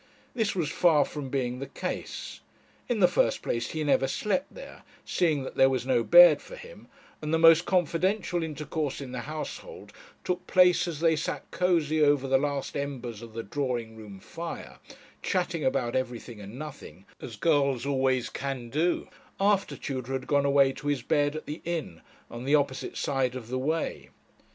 This was far from being the case. In the first place he never slept there, seeing that there was no bed for him; and the most confidential intercourse in the household took place as they sat cosy over the last embers of the drawing room fire, chatting about everything and nothing, as girls always can do, after Tudor had gone away to his bed at the inn, on the opposite side of the way.